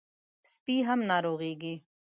سپي هم ناروغېږي.